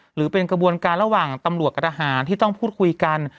หรือเป็นกระบวนการระหว่างตำรวจกับทหารที่ต้องพูดคุยกัน